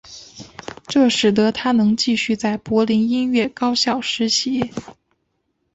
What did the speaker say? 这使得他能继续在柏林音乐高校学习。